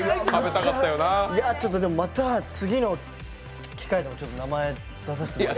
また次の機会で名前出させてもらつて。